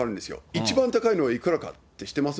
一番高いのはいくらかって知ってます？